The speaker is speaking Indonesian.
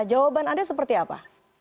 jawaban anda seperti apa